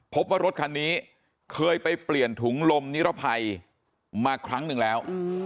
พบว่ารถคันนี้เคยไปเปลี่ยนถุงลมนิรภัยมาครั้งหนึ่งแล้ว